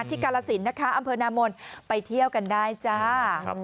ที่กาลสินนะคะอำเภอนามนตร์ไปเที่ยวกันได้จ้าครับ